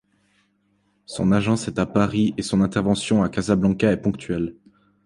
Son agence est à Paris et son intervention à Casablanca est ponctuelle.